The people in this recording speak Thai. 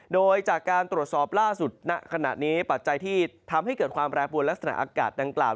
โดยจากการตรวจสอบล่าสุดณขณะนี้ปัจจัยที่ทำให้เกิดความแปรปวนลักษณะอากาศดังกล่าว